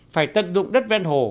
phải tận dụng đất ven hồ